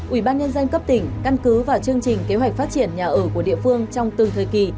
ủy ban nhân dân cấp tỉnh căn cứ vào chương trình kế hoạch phát triển nhà ở của địa phương trong từng thời kỳ